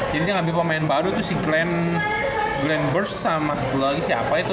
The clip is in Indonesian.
gue ngambil pemain baru tuh si glenn burst sama siapa itu